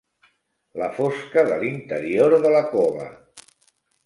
La fosca de l'interior de la cova.